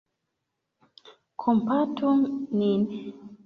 Kompatu nin!